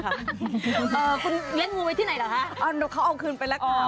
เอ่อคุณเลี้ยงงูไว้ที่ไหนหรอฮะอ๋อเขาเอาคืนไปแล้วค่ะ